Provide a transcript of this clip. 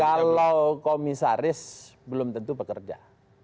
kalau komisaris belum tentu pekerja